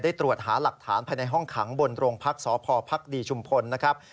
ตรวจหาหลักฐานภายในห้องขังบนโรงพักษพภักดีชุมพลนะครับ